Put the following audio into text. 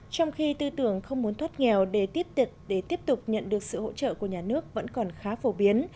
trong khi tư tưởng không muốn thoát nghèo để tiếp tục nhận được sự hỗ trợ của nhà nước vẫn còn khá phổ biến